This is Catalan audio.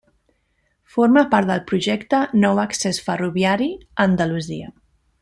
Forma part del projecte Nou Accés Ferroviari a Andalusia.